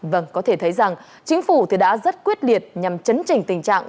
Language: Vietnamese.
vâng có thể thấy rằng chính phủ đã rất quyết liệt nhằm chấn trình tình trạng